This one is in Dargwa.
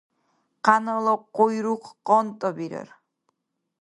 Къянала къуйрукъ къантӀа бирар.